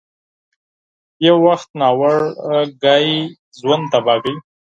یو وخت ناوړه خبره ژوند تباه کوي.